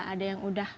ada yang sudah ikut